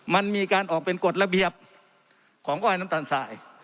มันมีการออกเป็นกฎระเบียบของก้อยน้ำตาลสาย